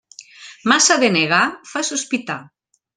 Massa de negar fa sospitar.